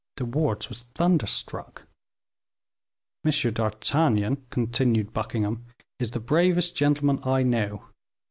De Wardes was thunderstruck. "M. d'Artagnan," continued Buckingham, "is the bravest gentleman I know.